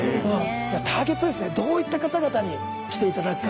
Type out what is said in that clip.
ターゲットですねどういった方々に来て頂くかとか。